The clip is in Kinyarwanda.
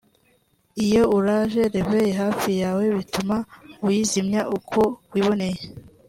Iyo uraje reveil hafi yawe bituma uyizimya uko wiboneye